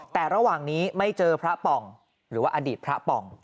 แต่ระหว่างนี้ไม่เจอพระป่องหรือว่าอดีตพระป่อง